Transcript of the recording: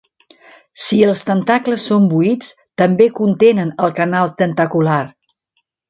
Si els tentacles són buits, també contenen el canal tentacular.